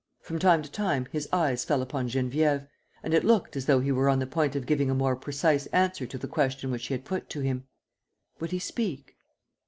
From time to time, his eyes fell upon Geneviève; and it looked as though he were on the point of giving a more precise answer to the question which she had put to him. Would he speak?